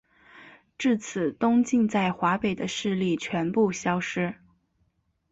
至此东晋在华北的势力全部消灭。